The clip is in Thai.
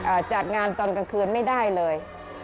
สมัยก่อนจัดงานตอนกลางคืนไม่ได้เลย